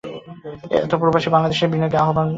এতে প্রবাসী বাংলাদেশিদের বিনিয়োগের আহ্বান জানান তিনি।